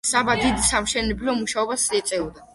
საბა დიდ საამშენებლო მუშაობას ეწეოდა.